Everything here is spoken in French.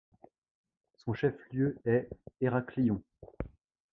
Son chef-lieu est Héraklion.